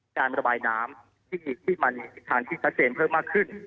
การระบายน้ำที่มันมีทิศทางที่ชัดเจนเพิ่มมากขึ้น